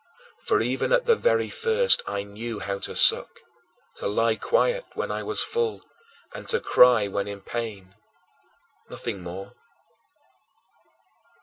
For even at the very first I knew how to suck, to lie quiet when I was full, and to cry when in pain nothing more.